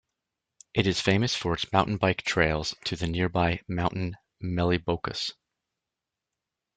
It is famous for its mountain bike trails to the nearby mountain Melibokus.